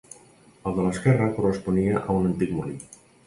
El de l'esquerra corresponia a un antic molí.